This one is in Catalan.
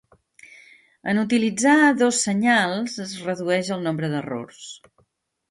En utilitzar dos senyals es redueix el nombre d'errors.